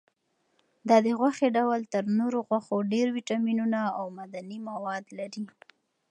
دا د غوښې ډول تر نورو غوښو ډېر ویټامینونه او معدني مواد لري.